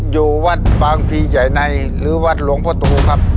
อยู่วัดบางทีใหญ่ในหรือวัดหลวงพ่อตูครับ